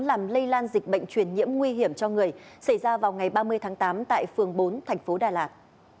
làm lây lan dịch bệnh truyền nhiễm nguy hiểm cho người xảy ra vào ngày ba mươi tám tại phường bốn tp đà lạt